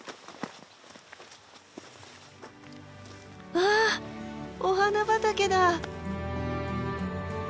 わあお花畑だ！